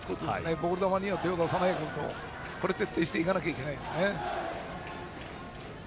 ボール球に手を出さないことを徹底していかなきゃいけないですね。